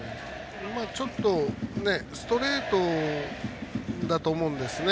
ちょっとストレートだと思うんですね